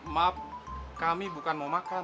maaf kami bukan mau makan